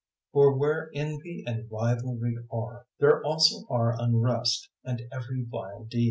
003:016 For where envy and rivalry are, there also are unrest and every vile deed.